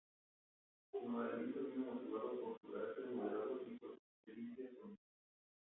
Su nombramiento vino motivado por su carácter moderado y por su experiencia política.